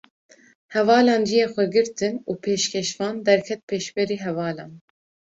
Hevalan ciyê xwe girtin û pêşkêşvan, derket pêşberî hevalan